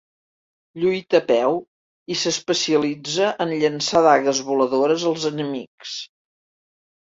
Lluita a peu i s'especialitza en llançar dagues voladores als enemics.